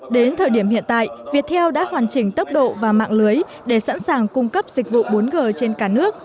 đến thời điểm hiện tại viettel đã hoàn chỉnh tốc độ và mạng lưới để sẵn sàng cung cấp dịch vụ bốn g trên cả nước